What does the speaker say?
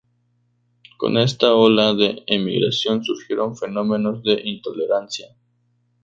Con esta ola de emigración surgieron fenómenos de intolerancia.